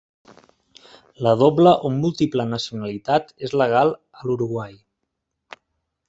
La doble o múltiple nacionalitat és legal a l'Uruguai.